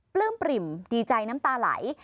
ปลื้มปริ่มดีใจน้ำตาไหล